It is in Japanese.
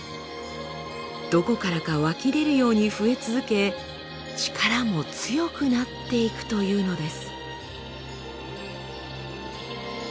どこからか湧き出るように増え続け力も強くなっていくというのです。